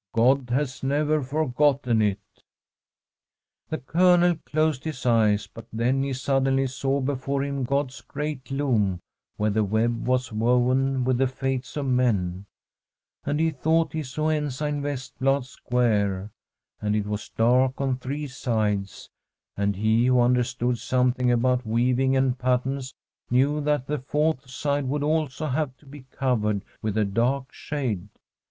God has never forgotten it !' The Colonel closed his eyes, but then he sud denly saw before him God's great loom, where I319I From a SWEDISH HOMESTEAD the web was woven with the fates of men ; and he thought he saw Ensign Vestblad's square, and it was dark on three sides ; and he, who understood something about weaving and patterns, knew that the fourth side would also have to be covered with the dark shade.